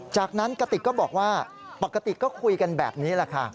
จากนั้นกติกก็บอกว่าปกติก็คุยกันแบบนี้แหละค่ะ